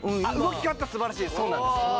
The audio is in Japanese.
素晴らしいそうなんです。